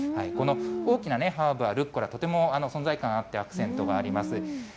この大きなハーブはルッコラ、とても存在感あって、アクセントがあります。